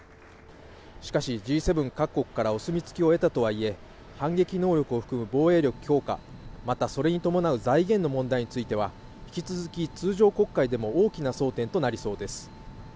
しかし、Ｇ７各国からお墨付きを得たとはいえ反撃能力を含む防衛力強化、またそれに伴う財源の問題については引き続き通常国会でも大きな争点となりそうです。